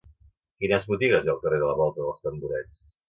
Quines botigues hi ha al carrer de la Volta dels Tamborets?